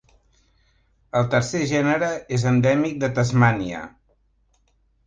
El tercer gènere és endèmic de Tasmània.